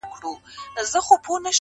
چا له نظره کړې د ښکلیو د مستۍ سندري!.